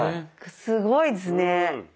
すごいですね。